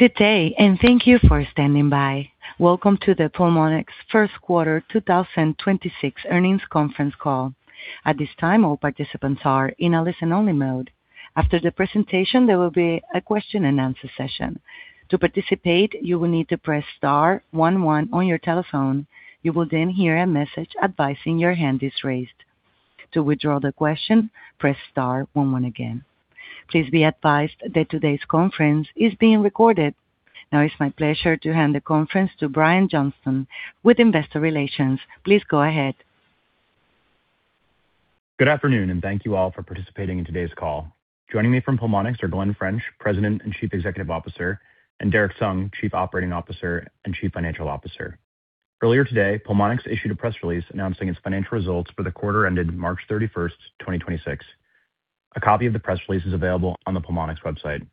Good day, and thank you for standing by. Welcome to the Pulmonx first quarter 2026 earnings conference call. At this time, all participants are in a listen-only mode. After the presentation, there will be a question-and-answer session. To participate, you will need to press Star 11 on your telephone. You will hear a message advising your hand is raised. To withdraw the question, press Star 11 again. Please be advised that today's conference is being recorded. It's my pleasure to hand the conference to Brian Johnston with Investor Relations. Please go ahead. Good afternoon, and thank you all for participating in today's call. Joining me from Pulmonx are Glendon French, President and Chief Executive Officer, and Derrick Sung, Chief Operating Officer and Chief Financial Officer. Earlier today, Pulmonx issued a press release announcing its financial results for the quarter ended March 31st, 2026. A copy of the press release is available on the Pulmonx website.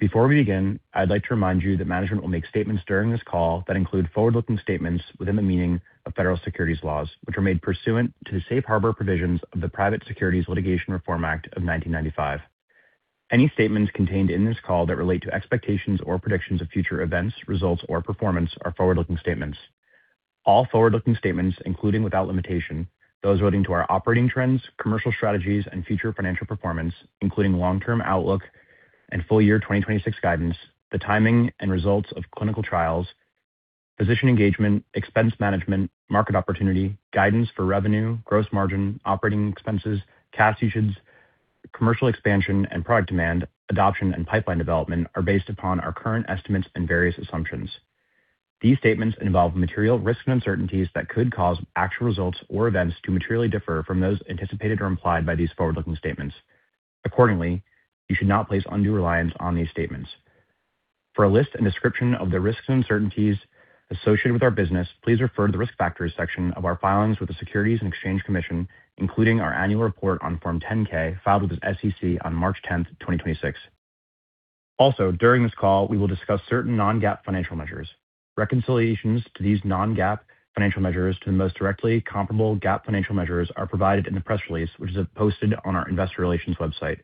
Before we begin, I'd like to remind you that management will make statements during this call that include forward-looking statements within the meaning of federal securities laws, which are made pursuant to the Safe Harbor provisions of the Private Securities Litigation Reform Act of 1995. Any statements contained in this call that relate to expectations or predictions of future events, results, or performance are forward-looking statements. All forward-looking statements, including without limitation, those relating to our operating trends, commercial strategies, and future financial performance, including long-term outlook and full year 2026 guidance, the timing and results of clinical trials, physician engagement, expense management, market opportunity, guidance for revenue, gross margin, operating expenses, cash usage, commercial expansion and product demand, adoption and pipeline development, are based upon our current estimates and various assumptions. These statements involve material risks and uncertainties that could cause actual results or events to materially differ from those anticipated or implied by these forward-looking statements. Accordingly, you should not place undue reliance on these statements. For a list and description of the risks and uncertainties associated with our business, please refer to the Risk Factors section of our filings with the Securities and Exchange Commission, including our annual report on Form 10-K, filed with the SEC on March 10th, 2026. During this call, we will discuss certain non-GAAP financial measures. Reconciliations to these non-GAAP financial measures to the most directly comparable GAAP financial measures are provided in the press release, which is posted on our investor relations website.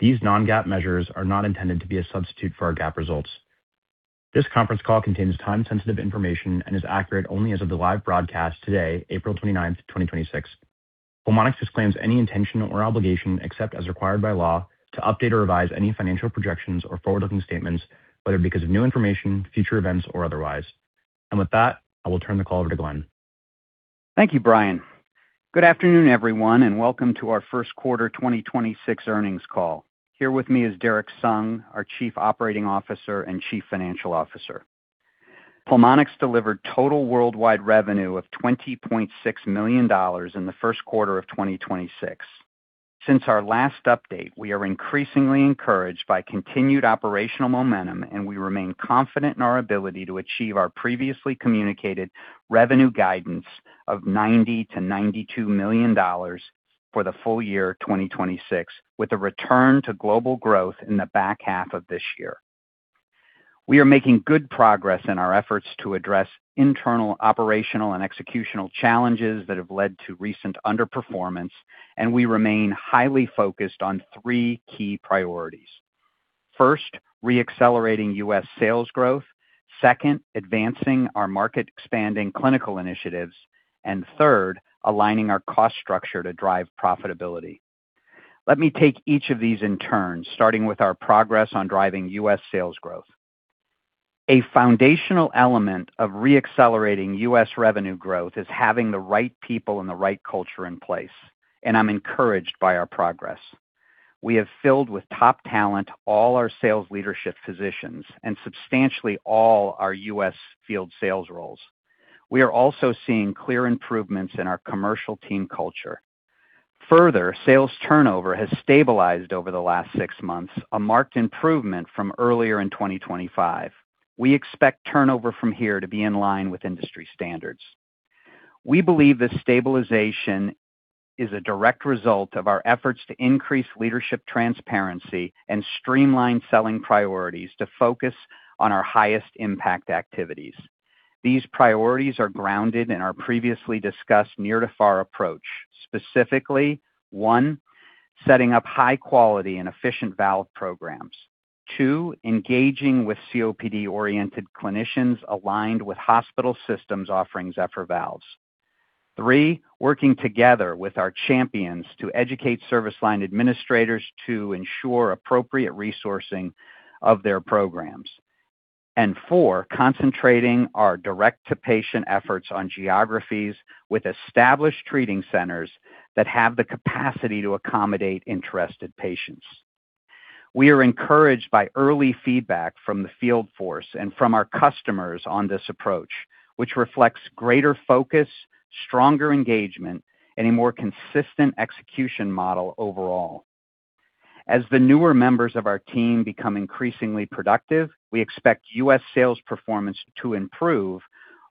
These non-GAAP measures are not intended to be a substitute for our GAAP results. This conference call contains time-sensitive information and is accurate only as of the live broadcast today, April 29th, 2026. Pulmonx disclaims any intention or obligation, except as required by law, to update or revise any financial projections or forward-looking statements, whether because of new information, future events, or otherwise. With that, I will turn the call over to Glendon. Thank you, Brian. Good afternoon, everyone, welcome to our first quarter 2026 earnings call. Here with me is Derrick Sung, our Chief Operating Officer and Chief Financial Officer. Pulmonx delivered total worldwide revenue of $20.6 million in the first quarter of 2026. Since our last update, we are increasingly encouraged by continued operational momentum, we remain confident in our ability to achieve our previously communicated revenue guidance of $90 million-$92 million for the full year 2026, with a return to global growth in the back half of this year. We are making good progress in our efforts to address internal operational and executional challenges that have led to recent underperformance, we remain highly focused on three key priorities. First, re-accelerating U.S. sales growth. Second, advancing our market-expanding clinical initiatives. Third, aligning our cost structure to drive profitability. Let me take each of these in turn, starting with our progress on driving U.S. sales growth. A foundational element of re-accelerating U.S. revenue growth is having the right people and the right culture in place, and I'm encouraged by our progress. We have filled with top talent all our sales leadership physicians and substantially all our U.S. field sales roles. We are also seeing clear improvements in our commercial team culture. Sales turnover has stabilized over the last 6 months, a marked improvement from earlier in 2025. We expect turnover from here to be in line with industry standards. We believe this stabilization is a direct result of our efforts to increase leadership transparency and streamline selling priorities to focus on our highest impact activities. These priorities are grounded in our previously discussed near-to-far approach, specifically, one, setting up high quality and efficient valve programs. two, engaging with COPD-oriented clinicians aligned with hospital systems offering Zephyr valves. three, working together with our champions to educate service line administrators to ensure appropriate resourcing of their programs and four, concentrating our direct-to-patient efforts on geographies with established treating centers that have the capacity to accommodate interested patients. We are encouraged by early feedback from the field force and from our customers on this approach, which reflects greater focus, stronger engagement, and a more consistent execution model overall. As the newer members of our team become increasingly productive, we expect U.S. sales performance to improve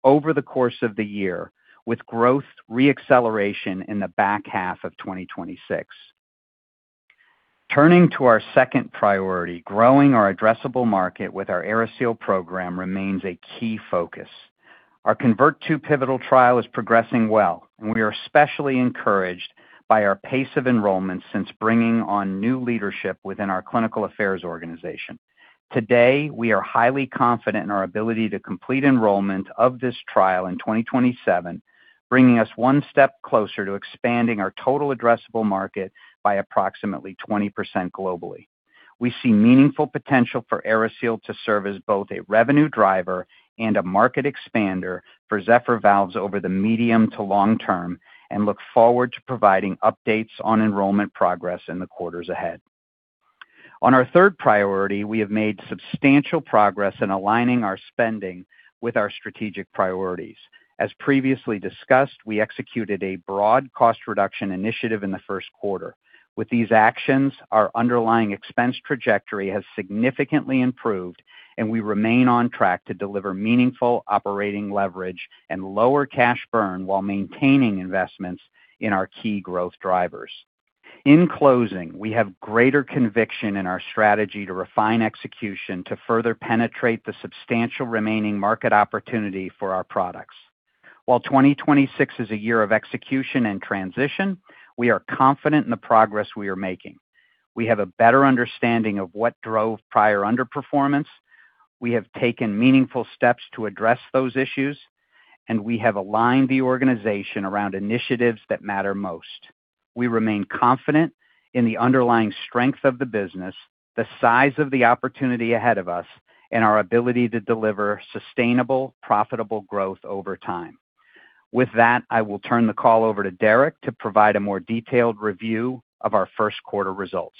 over the course of the year, with growth re-acceleration in the back half of 2026. Turning to our second priority, growing our addressable market with our AeriSeal program remains a key focus. Our CONVERT II pivotal trial is progressing well, and we are especially encouraged by our pace of enrollment since bringing on new leadership within our clinical affairs organization. Today, we are highly confident in our ability to complete enrollment of this trial in 2027, bringing us one step closer to expanding our total addressable market by approximately 20% globally. We see meaningful potential for AeriSeal to serve as both a revenue driver and a market expander for Zephyr valves over the medium to long term and look forward to providing updates on enrollment progress in the quarters ahead. On our third priority, we have made substantial progress in aligning our spending with our strategic priorities. As previously discussed, we executed a broad cost reduction initiative in the first quarter. With these actions, our underlying expense trajectory has significantly improved, and we remain on track to deliver meaningful operating leverage and lower cash burn while maintaining investments in our key growth drivers. In closing, we have greater conviction in our strategy to refine execution to further penetrate the substantial remaining market opportunity for our products. While 2026 is a year of execution and transition, we are confident in the progress we are making. We have a better understanding of what drove prior underperformance. We have taken meaningful steps to address those issues, and we have aligned the organization around initiatives that matter most. We remain confident in the underlying strength of the business, the size of the opportunity ahead of us, and our ability to deliver sustainable, profitable growth over time. With that, I will turn the call over to Derrick to provide a more detailed review of our first quarter results.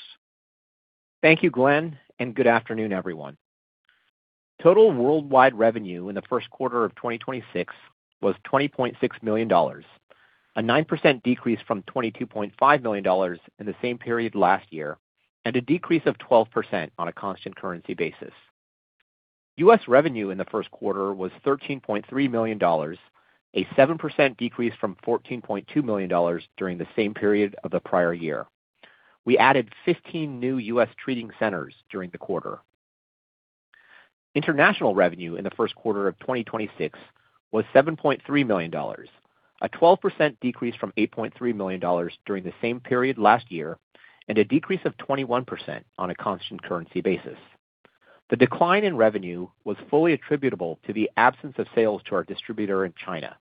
Thank you, Glendon. Good afternoon, everyone. Total worldwide revenue in the first quarter of 2026 was $20.6 million, a 9% decrease from $22.5 million in the same period last year, and a decrease of 12% on a constant currency basis. U.S. revenue in the first quarter was $13.3 million, a 7% decrease from $14.2 million during the same period of the prior year. We added 15 new U.S. treating centers during the quarter. International revenue in the first quarter of 2026 was $7.3 million, a 12% decrease from $8.3 million during the same period last year, and a decrease of 21% on a constant currency basis. The decline in revenue was fully attributable to the absence of sales to our distributor in China.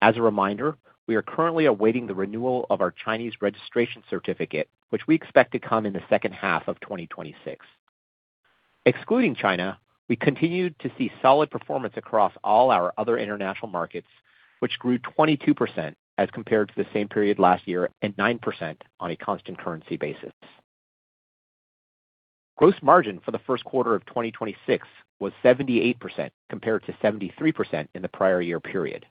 As a reminder, we are currently awaiting the renewal of our Chinese registration certificate, which we expect to come in the second half of 2026. Excluding China, we continued to see solid performance across all our other international markets, which grew 22% as compared to the same period last year and 9% on a constant currency basis. Gross margin for the first quarter of 2026 was 78% compared to 73% in the prior year period.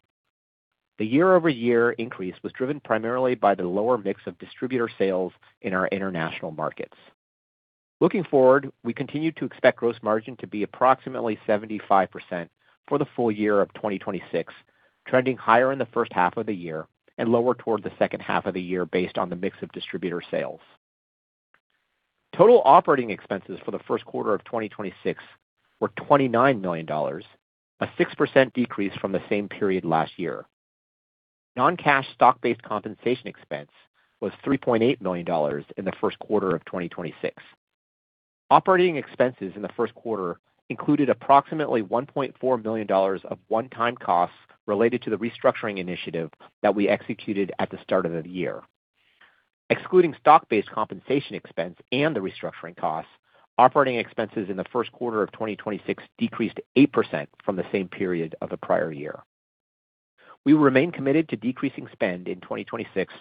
The year-over-year increase was driven primarily by the lower mix of distributor sales in our international markets. Looking forward, we continue to expect gross margin to be approximately 75% for the full year of 2026, trending higher in the first half of the year and lower toward the second half of the year based on the mix of distributor sales. Total operating expenses for the first quarter of 2026 were $29 million, a 6% decrease from the same period last year. Non-cash stock-based compensation expense was $3.8 million in the first quarter of 2026. Operating expenses in the first quarter included approximately $1.4 million of one-time costs related to the restructuring initiative that we executed at the start of the year. Excluding stock-based compensation expense and the restructuring costs, operating expenses in the first quarter of 2026 decreased 8% from the same period of the prior year. We remain committed to decreasing spend in 2026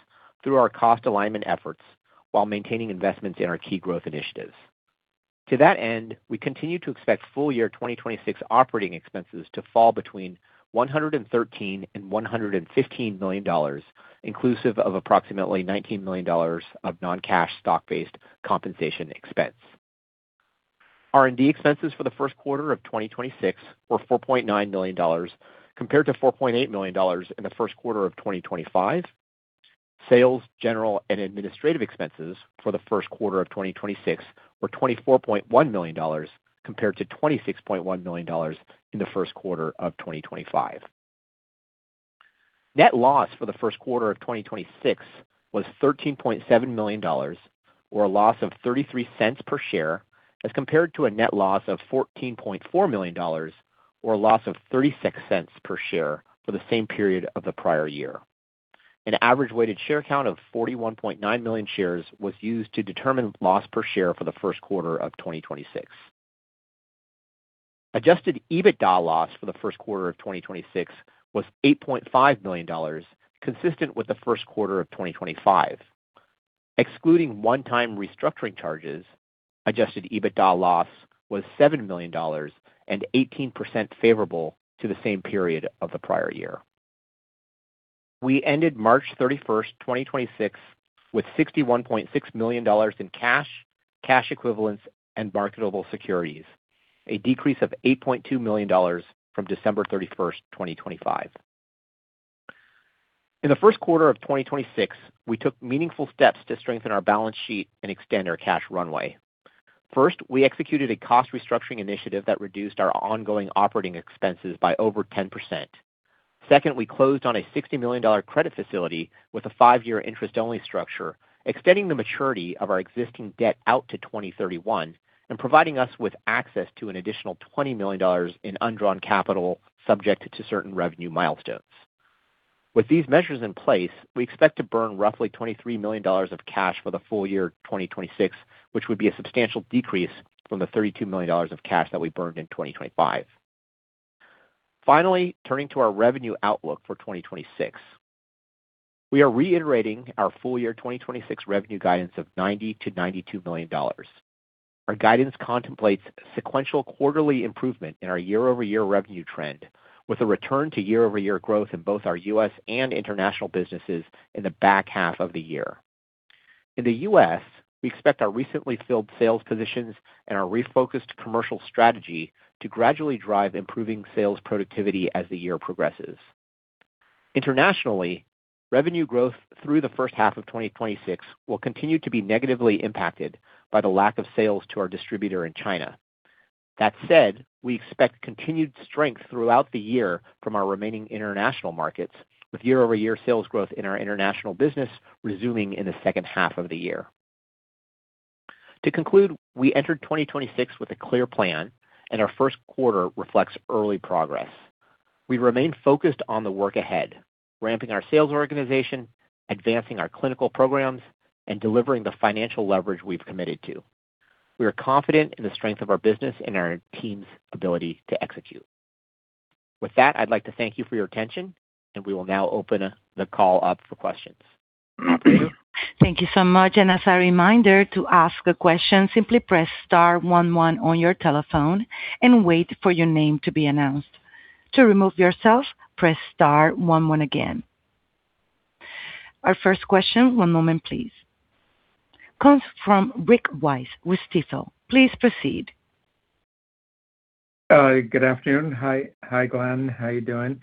through our cost alignment efforts while maintaining investments in our key growth initiatives. To that end, we continue to expect full year 2026 operating expenses to fall between $113 million and $115 million, inclusive of approximately $19 million of non-cash stock-based compensation expense. R&D expenses for the first quarter of 2026 were $4.9 million compared to $4.8 million in the first quarter of 2025. Sales, general and administrative expenses for the first quarter of 2026 were $24.1 million compared to $26.1 million in the first quarter of 2025. Net loss for the first quarter of 2026 was $13.7 million or a loss of $0.33 per share as compared to a net loss of $14.4 million or a loss of $0.36 per share for the same period of the prior year. An average weighted share count of 41.9 million shares was used to determine loss per share for the first quarter of 2026. Adjusted EBITDA loss for the first quarter of 2026 was $8.5 million, consistent with the first quarter of 2025. Excluding one-time restructuring charges, adjusted EBITDA loss was $7 million and 18% favorable to the same period of the prior year. We ended March 31, 2026 with $61.6 million in cash equivalents, and marketable securities, a decrease of $8.2 million from December 31, 2025. In the first quarter of 2026, we took meaningful steps to strengthen our balance sheet and extend our cash runway. First, we executed a cost restructuring initiative that reduced our ongoing operating expenses by over 10%. Second, we closed on a $60 million credit facility with a five-year interest-only structure, extending the maturity of our existing debt out to 2031 and providing us with access to an additional $20 million in undrawn capital subject to certain revenue milestones. With these measures in place, we expect to burn roughly $23 million of cash for the full year 2026, which would be a substantial decrease from the $32 million of cash that we burned in 2025. Turning to our revenue outlook for 2026. We are reiterating our full year 2026 revenue guidance of $90 million-$92 million. Our guidance contemplates sequential quarterly improvement in our year-over-year revenue trend with a return to year-over-year growth in both our U.S. and international businesses in the back half of the year. In the U.S., we expect our recently filled sales positions and our refocused commercial strategy to gradually drive improving sales productivity as the year progresses. Internationally, revenue growth through the first half of 2026 will continue to be negatively impacted by the lack of sales to our distributor in China. That said, we expect continued strength throughout the year from our remaining international markets, with year-over-year sales growth in our international business resuming in the second half of the year. To conclude, we entered 2026 with a clear plan and our first quarter reflects early progress. We remain focused on the work ahead, ramping our sales organization, advancing our clinical programs, and delivering the financial leverage we've committed to. We are confident in the strength of our business and our team's ability to execute. With that, I'd like to thank you for your attention. We will now open the call up for questions. Thank you so much. As a reminder, to ask a question, simply press Star 11 on your telephone and wait for your name to be announced. To remove yourself, press Star 11 again. Our first question, one moment please, comes from Rick Wise with Stifel. Please proceed. Good afternoon. Hi, Glenn. How are you doing?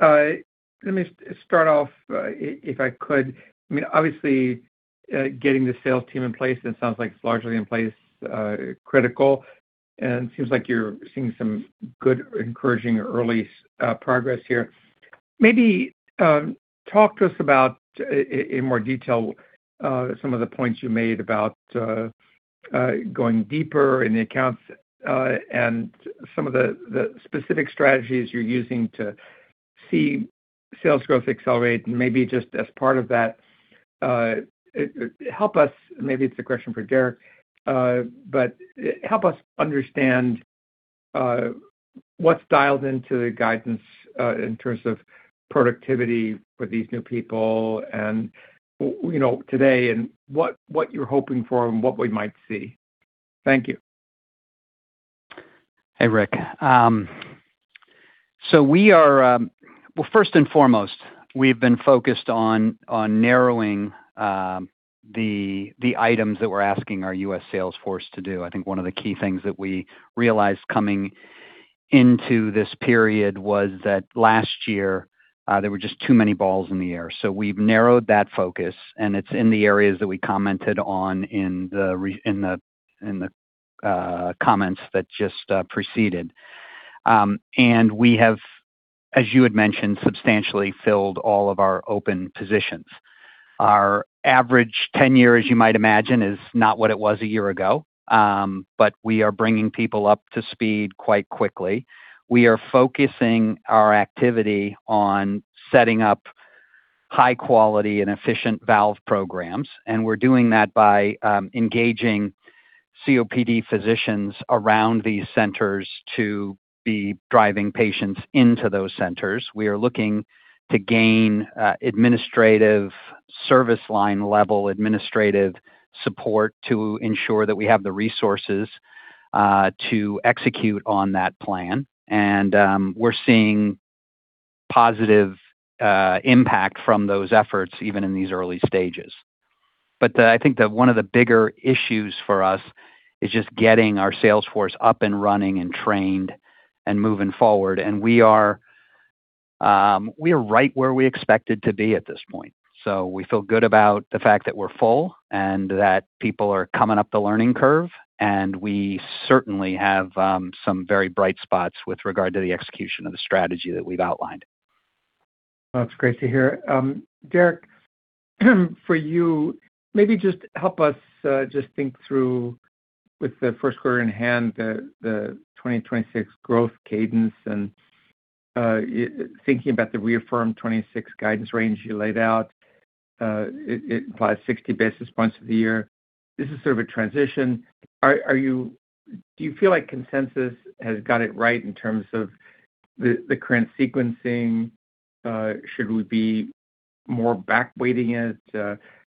Let me start off, if I could. I mean, obviously, getting the sales team in place, and it sounds like it's largely in place, critical, and it seems like you're seeing some good encouraging early progress here. Maybe, talk to us about in more detail, some of the points you made about going deeper in the accounts, and some of the specific strategies you're using to see sales growth accelerate. Maybe just as part of that, help us understand what's dialed into the guidance in terms of productivity with these new people and, you know, today and what you're hoping for and what we might see. Maybe it's a question for Derrick. Thank you. Hey, Rick. Well, first and foremost, we've been focused on narrowing the items that we're asking our U.S. sales force to do. I think one of the key things that we realized coming into this period was that last year, there were just too many balls in the air. We've narrowed that focus, and it's in the areas that we commented on in the comments that just preceded. We have, as you had mentioned, substantially filled all of our open positions. Our average tenure, as you might imagine, is not what it was one year ago, but we are bringing people up to speed quite quickly. We are focusing our activity on setting up high quality and efficient valve programs, and we're doing that by engaging COPD physicians around these centers to be driving patients into those centers. We are looking to gain administrative service line level administrative support to ensure that we have the resources to execute on that plan. We're seeing positive impact from those efforts even in these early stages. I think that one of the bigger issues for us is just getting our sales force up and running and trained and moving forward. We are right where we expected to be at this point. We feel good about the fact that we're full and that people are coming up the learning curve, and we certainly have some very bright spots with regard to the execution of the strategy that we've outlined. That's great to hear. Derrick, for you, maybe just help us just think through with the first quarter in hand, the 2026 growth cadence and thinking about the reaffirmed 2026 guidance range you laid out, it applies 60 basis points of the year. This is sort of a transition. Do you feel like consensus has got it right in terms of the current sequencing? Should we be more back weighting it?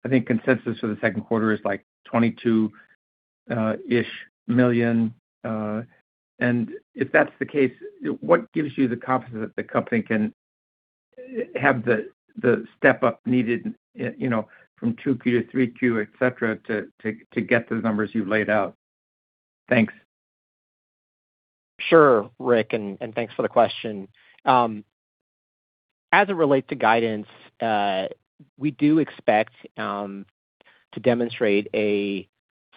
I think consensus for the 2Q is like $22 million. If that's the case, what gives you the confidence that the company can have the step-up needed, you know, from 2Q to 3Q, et cetera, to get those numbers you've laid out? Thanks. Sure, Rick, and thanks for the question. As it relates to guidance, we do expect to demonstrate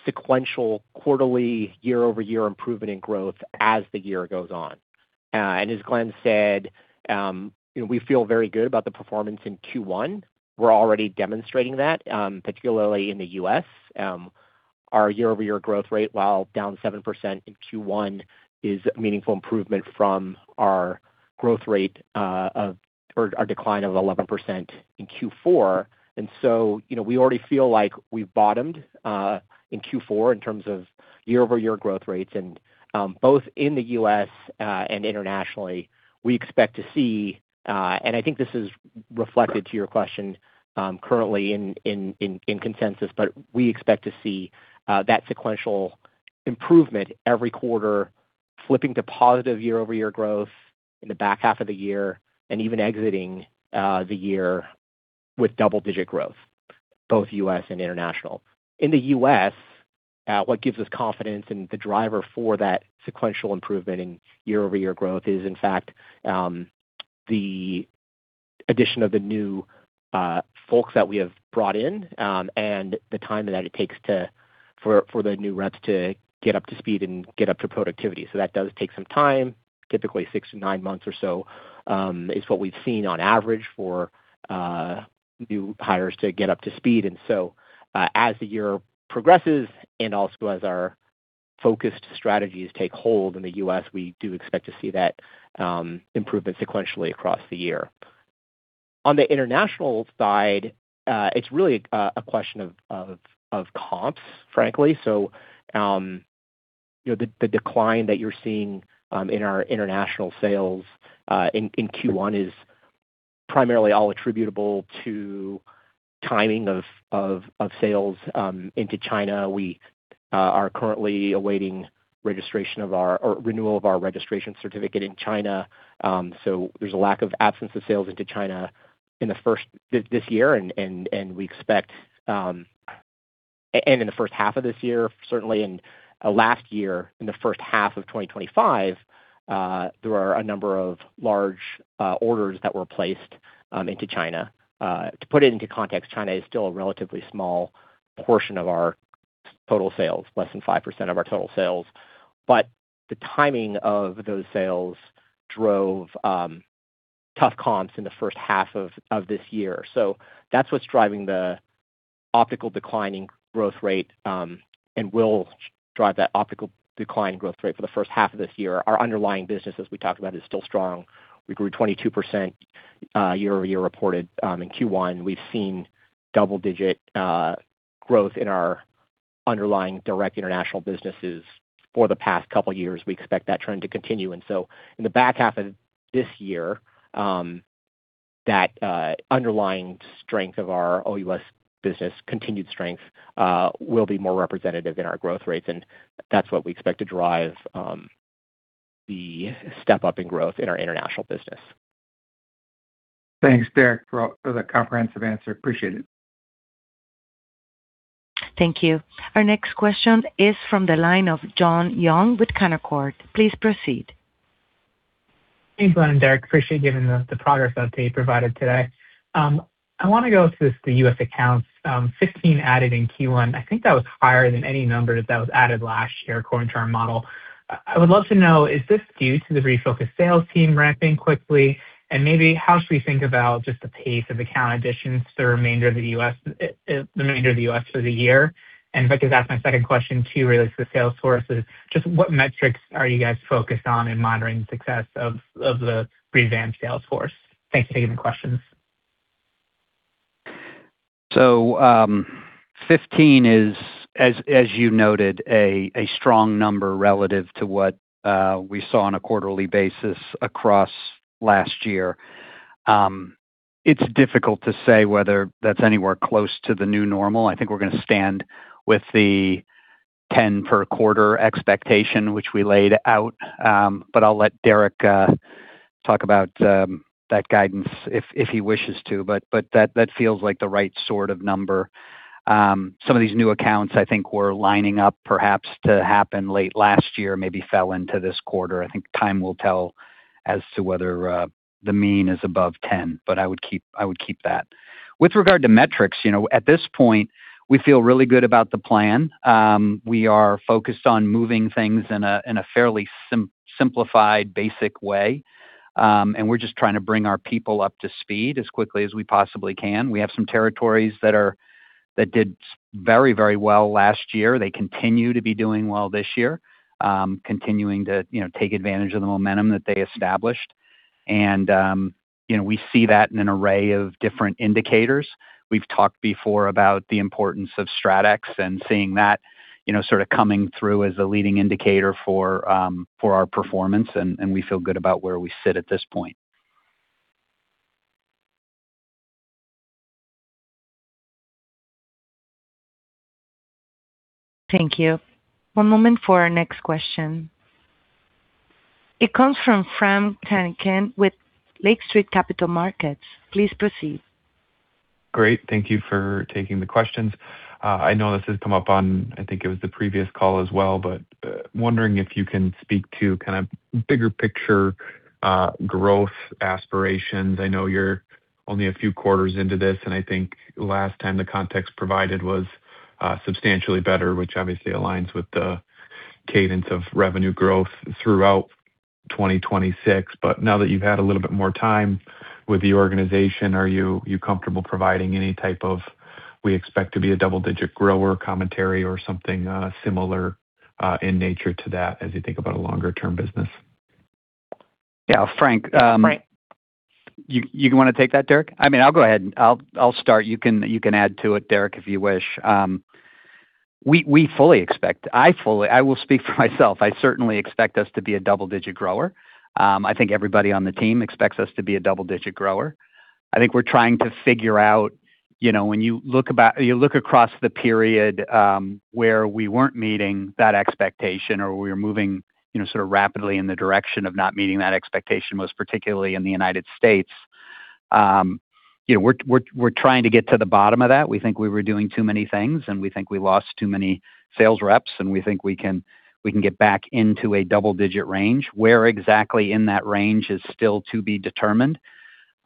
a sequential quarterly year-over-year improvement in growth as the year goes on. As Glen said, you know, we feel very good about the performance in Q1. We're already demonstrating that, particularly in the U.S. Our year-over-year growth rate, while down 7% in Q1, is a meaningful improvement from our growth rate or our decline of 11% in Q4. You know, we already feel like we've bottomed in Q4 in terms of year-over-year growth rates. Both in the U.S. and internationally, we expect to see, and I think this is reflected to your question, currently in consensus. We expect to see that sequential improvement every quarter flipping to positive year-over-year growth in the back half of the year, and even exiting the year with double-digit growth, both U.S. and international. In the U.S., what gives us confidence and the driver for that sequential improvement in year-over-year growth is, in fact, the addition of the new folks that we have brought in, and the time that it takes for the new reps to get up to speed and get up to productivity. That does take some time. Typically, six- nine months or so is what we've seen on average for new hires to get up to speed. As the year progresses and also as our focused strategies take hold in the U.S., we do expect to see that improvement sequentially across the year. On the international side, it's really a question of comps, frankly. You know, the decline that you're seeing in our international sales in Q1 is primarily all attributable to timing of sales into China. We are currently awaiting renewal of our registration certificate in China, so there's a lack of absence of sales into China in the first this year. In the first half of this year, certainly in last year, in the first half of 2025, there were a number of large orders that were placed into China. To put it into context, China is still a relatively small portion of our total sales, less than 5% of our total sales. The timing of those sales drove tough comps in the first half of this year. That's what's driving the optical declining growth rate and will drive that optical decline growth rate for the first half of this year. Our underlying business, as we talked about, is still strong. We grew 22% year-over-year reported in Q1. We've seen double-digit growth in our underlying direct international businesses for the past couple years. We expect that trend to continue. In the back half of this year, that underlying strength of our OUS business, continued strength, will be more representative in our growth rates, and that's what we expect to drive the step-up in growth in our international business. Thanks, Derrick, for the comprehensive answer. Appreciate it. Thank you. Our next question is from the line of Jon Young with Canaccord. Please proceed. Thanks, Glen and Derrick. Appreciate giving the progress update you provided today. I wanna go to the U.S. accounts, 15 added in Q1. I think that was higher than any numbers that was added last year, according to our model. I would love to know, is this due to the refocused sales team ramping quickly? Maybe how should we think about just the pace of account additions for the remainder of the U.S. for the year? If I could ask my second question too, related to the sales force, is just what metrics are you guys focused on in monitoring success of the revamped sales force? Thanks for taking the questions. 15 is, as you noted, a strong number relative to what we saw on a quarterly basis across last year. It's difficult to say whether that's anywhere close to the new normal. I think we're gonna stand with the 10 per quarter expectation, which we laid out. I'll let Derrick talk about that guidance if he wishes to. That feels like the right sort of number. Some of these new accounts, I think, were lining up perhaps to happen late last year, maybe fell into this quarter. I think time will tell as to whether the mean is above 10, but I would keep that. With regard to metrics, you know, at this point, we feel really good about the plan. We are focused on moving things in a, in a fairly simplified, basic way. We're just trying to bring our people up to speed as quickly as we possibly can. We have some territories that did very, very well last year. They continue to be doing well this year, continuing to, you know, take advantage of the momentum that they established. You know, we see that in an array of different indicators. We've talked before about the importance of StratX and seeing that, you know, sort of coming through as a leading indicator for our performance, and we feel good about where we sit at this point. Thank you. One moment for our next question. It comes from Frank Takkinen with Lake Street Capital Markets. Please proceed. Great. Thank you for taking the questions. I know this has come up on, I think it was the previous call as well, but wondering if you can speak to kind of bigger picture growth aspirations. I know you're only a few quarters into this, and I think last time the context provided was substantially better, which obviously aligns with the cadence of revenue growth throughout 2026. But now that you've had a little bit more time with the organization, are you comfortable providing any type of we expect to be a double-digit grower commentary or something similar in nature to that as you think about a longer-term business? Yeah. Frank, Frank. You wanna take that, Derrick? I mean, I'll go ahead. I'll start. You can add to it, Derrick, if you wish. We fully expect. I will speak for myself. I certainly expect us to be a double-digit grower. I think everybody on the team expects us to be a double-digit grower. I think we're trying to figure out, you know, when you look across the period, where we weren't meeting that expectation or we were moving, you know, sort of rapidly in the direction of not meeting that expectation, most particularly in the U.S., you know, we're trying to get to the bottom of that. We think we were doing too many things, we think we lost too many sales reps, we think we can get back into a double-digit range. Where exactly in that range is still to be determined.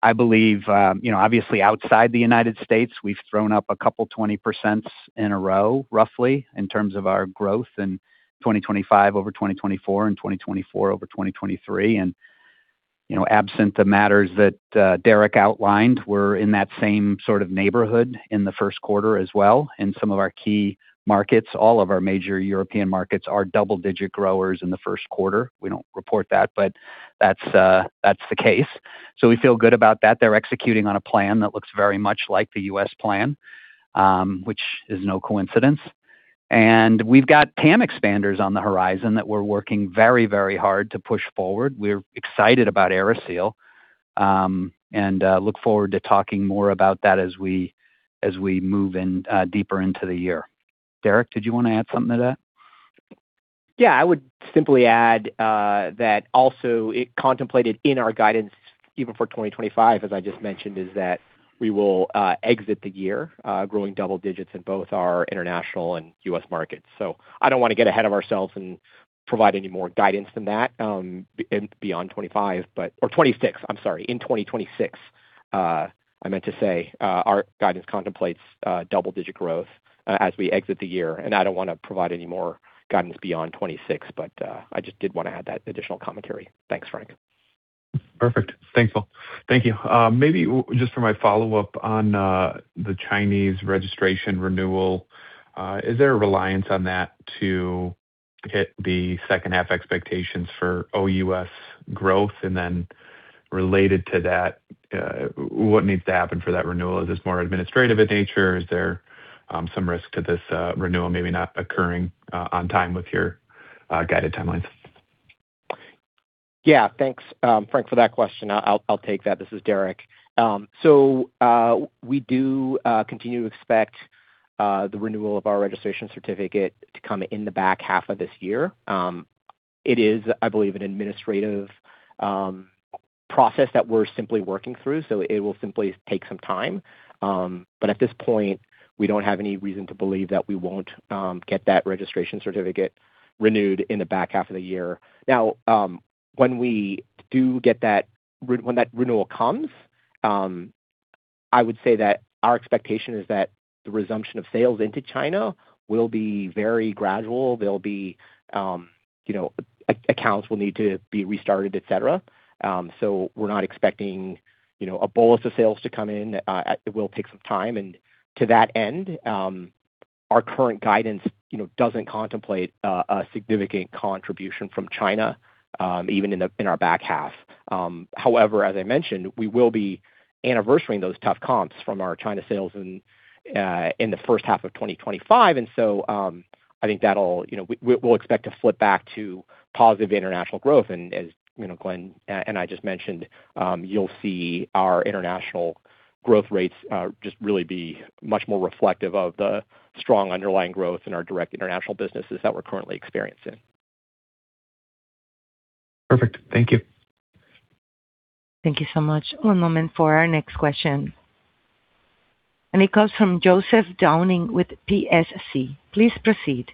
I believe, you know, obviously outside the U.S. we've thrown up a couple 20% in a row, roughly, in terms of our growth in 2025 over 2024 and 2024 over 2023. You know, absent the matters that Derrick outlined, we're in that same sort of neighborhood in the first quarter as well in some of our key markets. All of our major European markets are double-digit growers in the first quarter. We don't report that's the case. We feel good about that. They're executing on a plan that looks very much like the U.S. plan, which is no coincidence. We've got TAM expanders on the horizon that we're working very, very hard to push forward. We're excited about AeriSeal, and look forward to talking more about that as we move in deeper into the year. Derrick, did you wanna add something to that? I would simply add that also it contemplated in our guidance even for 2025, as I just mentioned, is that we will exit the year growing double digits in both our international and U.S. markets. I don't wanna get ahead of ourselves and provide any more guidance than that beyond 2025. Or 2026. I'm sorry. In 2026, I meant to say, our guidance contemplates double-digit growth as we exit the year. I don't wanna provide any more guidance beyond 2026, but I just did wanna add that additional commentary. Thanks, Frank. Perfect. Thankful. Thank you. Maybe just for my follow-up on the Chinese registration renewal, is there a reliance on that to hit the second half expectations for OUS growth? Related to that, what needs to happen for that renewal? Is this more administrative in nature? Is there some risk to this renewal maybe not occurring on time with your guided timelines? Thanks, Frank Takkinen, for that question. I'll take that. This is Derrick Sung. We do continue to expect the renewal of our registration certificate to come in the back half of this year. It is, I believe, an administrative process that we're simply working through, so it will simply take some time. At this point, we don't have any reason to believe that we won't get that registration certificate renewed in the back half of the year. When we do get that renewal comes, I would say that our expectation is that the resumption of sales into China will be very gradual. There'll be, you know, accounts will need to be restarted, et cetera. We're not expecting, you know, a bolus of sales to come in. It will take some time. To that end, our current guidance, you know, doesn't contemplate a significant contribution from China, even in the, in our back half. However, as I mentioned, we will be anniversarying those tough comps from our China sales in the first half of 2025. I think, you know, we'll expect to flip back to positive international growth. As, you know, Glenn and I just mentioned, you'll see our international growth rates just really be much more reflective of the strong underlying growth in our direct international businesses that we're currently experiencing. Perfect. Thank you. Thank you so much. One moment for our next question. It comes from Joe Downing with BTIG. Please proceed.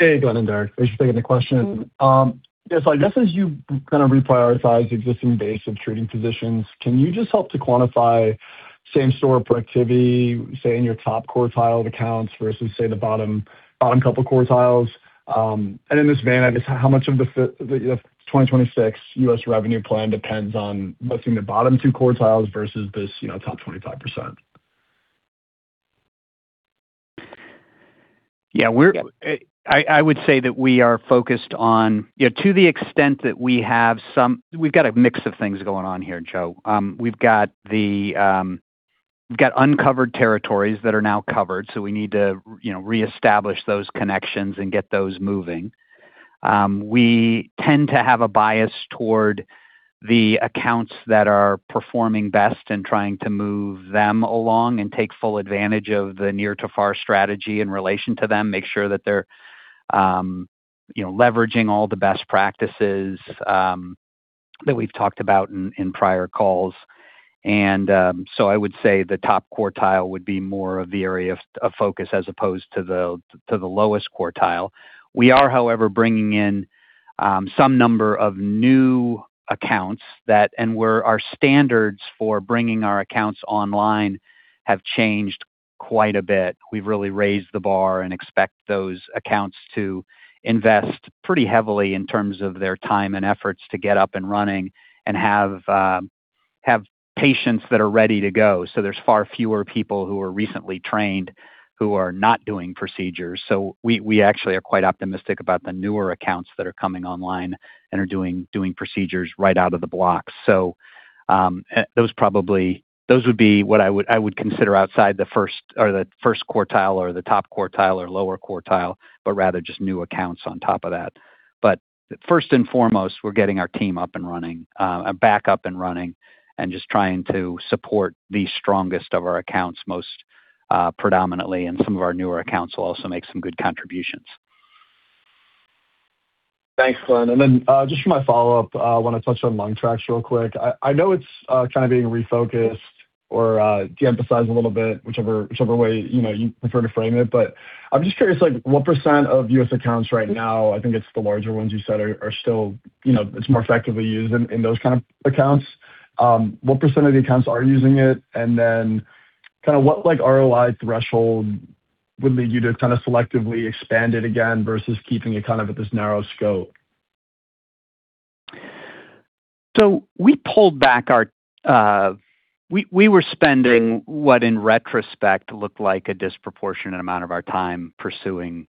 Glendon French and Derrick Sung. Thanks for taking the question. I guess as you kinda reprioritize existing base of treating physicians, can you just help to quantify same store productivity, say, in your top quartile of accounts versus, say, the bottom couple quartiles? In this vein, I guess how much of the 2026 U.S. revenue plan depends on lifting the bottom two quartiles versus this, you know, top 25%? Yeah. Yep. I would say that we are focused on. You know, to the extent that we have some. We've got a mix of things going on here, Joe. We've got uncovered territories that are now covered, so we need to, you know, reestablish those connections and get those moving. We tend to have a bias toward the accounts that are performing best and trying to move them along and take full advantage of the near to far strategy in relation to them, make sure that they're, you know, leveraging all the best practices that we've talked about in prior calls. I would say the top quartile would be more of the area of focus as opposed to the lowest quartile. We are, however, bringing in some number of new accounts that and our standards for bringing our accounts online have changed quite a bit. We've really raised the bar and expect those accounts to invest pretty heavily in terms of their time and efforts to get up and running and have patients that are ready to go. There's far fewer people who are recently trained who are not doing procedures. We, we actually are quite optimistic about the newer accounts that are coming online and are doing procedures right out of the block. Those would be what I would, I would consider outside the first or the first quartile or the top quartile or lower quartile, but rather just new accounts on top of that. First and foremost, we're getting our team up and running back up and running, and just trying to support the strongest of our accounts most predominantly, and some of our newer accounts will also make some good contributions. Thanks, Glenn. Just for my follow-up, I wanna touch on Lungfx real quick. I know it's kind of being refocused or de-emphasized a little bit, whichever way, you know, you prefer to frame it, I'm just curious, like, what % of U.S. accounts right now, I think it's the larger ones you said are still, you know, it's more effectively used in those kind of accounts. What % of the accounts are using it? Kind of what like ROI threshold would lead you to kind of selectively expand it again versus keeping it kind of at this narrow scope? We were spending what in retrospect looked like a disproportionate amount of our time pursuing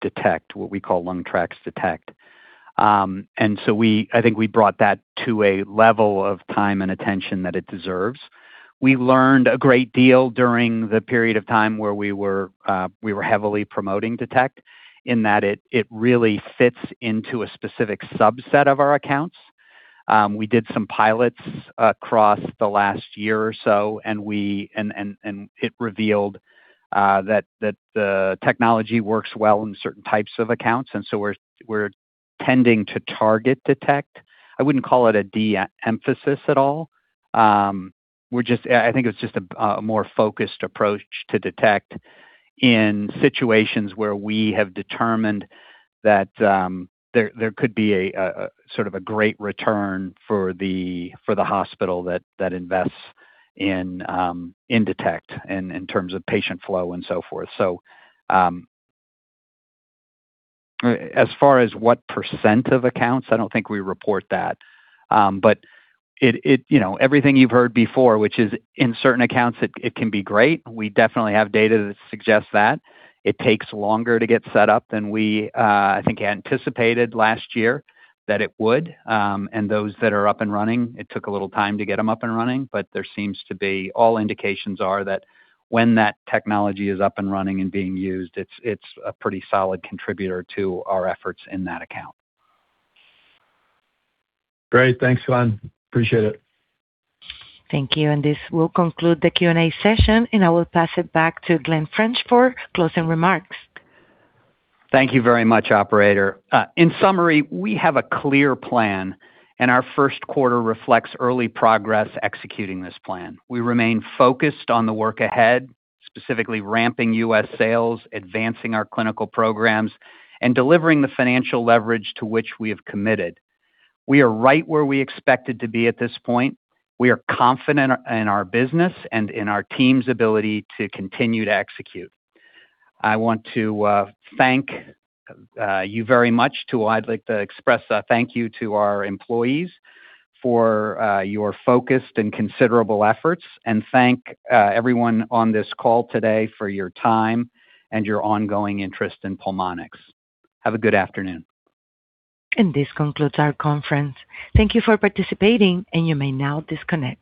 Detect, what we call Lungfx Detect. I think we brought that to a level of time and attention that it deserves. We learned a great deal during the period of time where we were heavily promoting Detect in that it really fits into a specific subset of our accounts. We did some pilots across the last year or so, and it revealed that the technology works well in certain types of accounts, and so we're tending to target Detect. I wouldn't call it a de-emphasis at all. I think it's just a more focused approach to Detect in situations where we have determined that there could be a great return for the hospital that invests in Detect in terms of patient flow and so forth. As far as what % of accounts, I don't think we report that. You know, everything you've heard before, which is in certain accounts, it can be great. We definitely have data that suggests that. It takes longer to get set up than we, I think anticipated last year that it would. Those that are up and running, it took a little time to get them up and running, but there seems to be all indications are that when that technology is up and running and being used, it's a pretty solid contributor to our efforts in that account. Great. Thanks, Glenn. Appreciate it. Thank you. This will conclude the Q&A session, and I will pass it back to Glendon French for closing remarks. Thank you very much, operator. In summary, we have a clear plan, and our first quarter reflects early progress executing this plan. We remain focused on the work ahead, specifically ramping U.S. sales, advancing our clinical programs, and delivering the financial leverage to which we have committed. We are right where we expected to be at this point. We are confident in our business and in our team's ability to continue to execute. I want to thank you very much. I'd like to express a thank you to our employees for your focused and considerable efforts, and thank everyone on this call today for your time and your ongoing interest in Pulmonx. Have a good afternoon. This concludes our conference. Thank you for participating, and you may now disconnect.